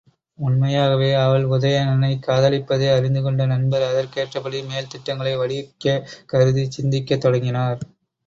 உண்மையாகவே அவள் உதயணனைக் காதலிப்பதை அறிந்து கொண்ட நண்பர், அதற்கேற்றபடி மேல்திட்டங்களை வடிக்கக் கருதிச் சிந்திக்கத் தொடங்கினர்.